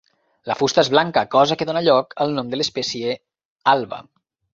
La fusta és blanca, cosa que donà lloc al nom de l'espècie, "alba".